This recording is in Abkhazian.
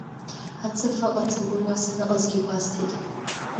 Ацыфа ыҟаӡам, уи уа саныҟазгьы игәасҭеит.